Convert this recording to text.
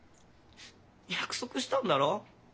約束したんだろ？